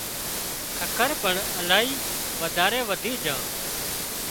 ککر پڻ الاهي وڌاري وڌِي جھان